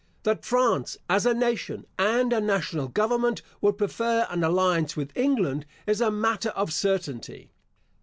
That France as a nation, and a national government, would prefer an alliance with England, is a matter of certainty.